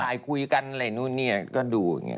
คุยกันอะไรนู่นเนี่ยก็ดูอย่างนี้